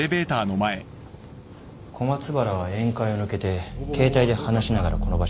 小松原は宴会を抜けて携帯で話しながらこの場所に来た。